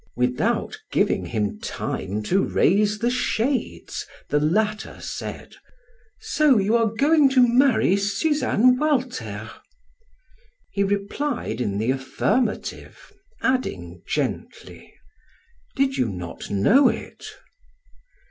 Without giving him time to raise the shades, the latter said: "So you are going to marry Suzanne Walter?" He replied in the affirmative, adding gently: "Did you not know it?"